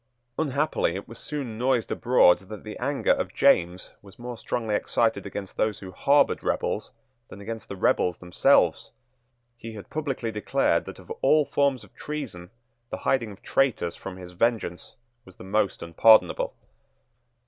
Unhappily it was soon noised abroad that the anger of James was more strongly excited against those who harboured rebels than against the rebels themselves. He had publicly declared that of all forms of treason the hiding of traitors from his vengeance was the most unpardonable.